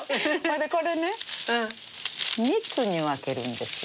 これね３つに分けるんですよ。